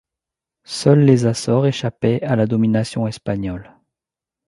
Seules les Açores échappaient à la domination espagnole.